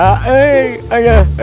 jadi indah terasa